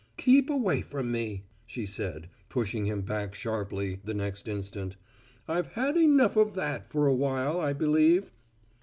"Keep away from me," she said, pushing him back sharply, the next instant. "I've had enough of that for a while I believe."